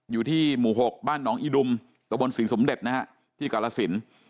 อยู่ที่หมู่๖บ้านหนองอีดุมตะบนศรีสมเด็จนะฮะที่กาลสิน